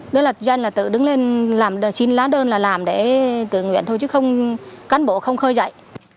đó là dân là tự đứng lên làm xin lá đơn là làm để tự nguyện thôi chứ không cán bộ không khơi dậy